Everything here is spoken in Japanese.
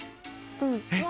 うん。